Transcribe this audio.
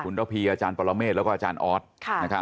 คุณเต้าพีอาจารย์ประลาเมฆแล้วก็อาจารย์ออสค่ะนะครับ